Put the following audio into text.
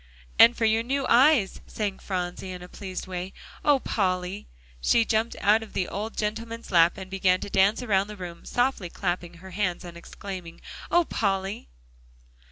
"And for your new eyes," sang Phronsie in a pleased way. "Oh, Polly!" She jumped out of the old gentleman's lap, and began to dance around the room, softly clapping her hands and exclaiming, "Oh, Polly!"